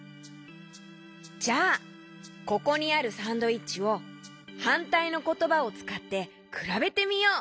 じゃあここにあるサンドイッチをはんたいのことばをつかってくらべてみよう！